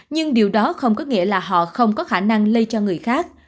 nhưng điều đó không có nghĩa là họ không có khả năng lây cho người khác